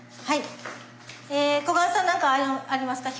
小雁さん何かありますか？